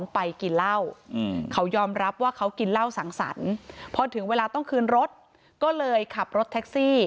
ไปกินเหล้าเขายอมรับว่าเขากินเหล้าสั่งสรรค์พอถึงเวลาต้องคืนรถก็เลยขับรถแท็กซี่